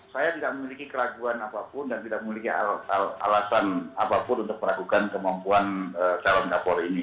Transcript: saya tidak memiliki keraguan apapun dan tidak memiliki alasan apapun untuk meragukan kemampuan calon kapolri ini